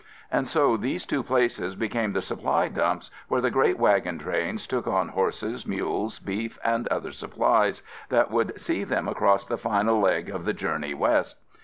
And so these two places became the supply dumps where the great wagon trains took on horses, mules, beef and other supplies that would see them across the final leg of the journey west.